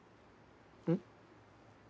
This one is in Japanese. うん？